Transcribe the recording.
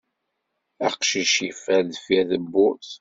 Aqcic yeffer deffir tewwurt.